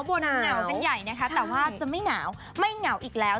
เป็นใหญ่นะคะแต่ว่าจะไม่หนาวไม่หนาวอีกแล้ว